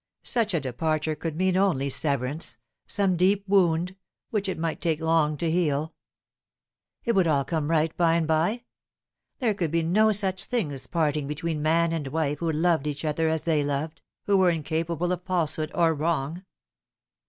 Such a departure could mean only sever ance some deep wound which it might take long to heal. It would all come right by and by. There could be no such thing as parting between man and wife who loved each other as they loved who were incapable of falsehood or wrong.